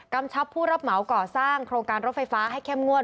ชับผู้รับเหมาก่อสร้างโครงการรถไฟฟ้าให้เข้มงวด